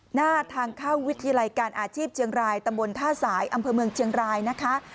หน้าทางเข้าวิทยาลัยการอาชีพเชียงรายตำบลท่าสายอำเภอเมืองเชียงรายนะคะ